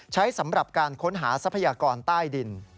สำหรับการค้นหาทรัพยากรใต้ดิน